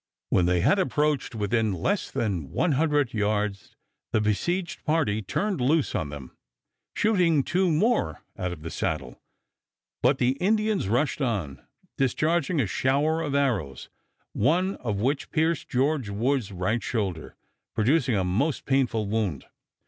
When they had approached within less than one hundred yards the besieged party turned loose on them, shooting two more out of the saddle; but the Indians rushed on, discharging a shower of arrows, one of which pierced George Woods' right shoulder, producing a most painful wound.